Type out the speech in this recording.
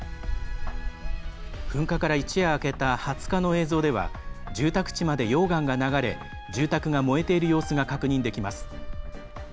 噴火から一夜明けた２０日の映像では住宅地まで溶岩が流れ住宅が燃えている様子が確認できます。